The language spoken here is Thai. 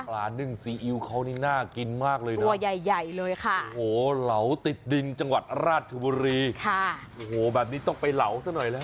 ร้านนึ่งซีอิ๊วเขานี่น่ากินมากเลยนะครับโหเหลาติดดินจังหวัดราชบุรีโหแบบนี้ต้องไปเหลาสักหน่อยแล้ว